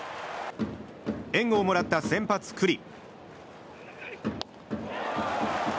援護をもらった先発、九里。